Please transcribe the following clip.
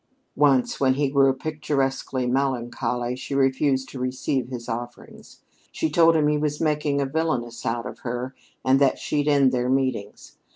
Once, when he grew picturesquely melancholy, she refused to receive his offerings. She told him he was making a villainess out of her, and that she'd end their meetings.